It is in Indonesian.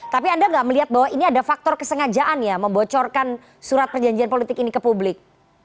tapi anda nggak melihat bahwa ini ada faktor kesengajaan ya membocorkan surat perjanjian politik ini ke publik